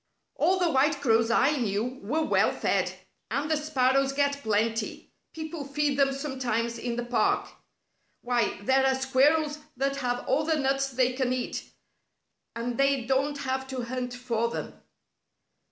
"All the white crows I knew were well fed. And the sparrows get plenty. People feed them sometimes in the park. Why, there are squirrels that have all the nuts they can eat, and they don't have to hunt for them."